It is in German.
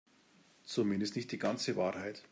Zumindest nicht die ganze Wahrheit.